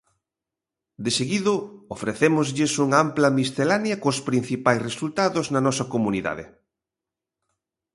Deseguido, ofrecémoslles unha ampla miscelánea cos principais resultados na nosa comunidade.